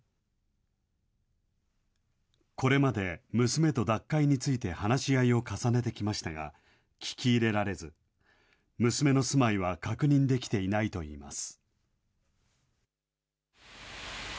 これまで、娘と脱会について話し合いを重ねてきましたが、聞き入れられず、娘の住まいは確認できていないといいます。